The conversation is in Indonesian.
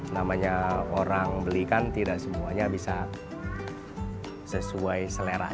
namanya orang beli kan tidak semuanya bisa sesuai selera